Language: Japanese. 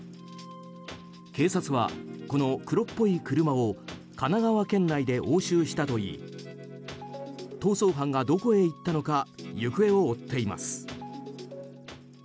警察は、この黒っぽい車を神奈川県内で押収したといい逃走犯がどこへ行ったのか行方を追っています。